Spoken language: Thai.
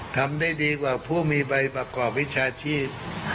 ทำได้ดีกว่าผู้มีใบประกอบวิชาชีพ